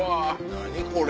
何これ。